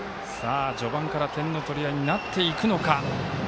序盤から点の取り合いになっていくのか。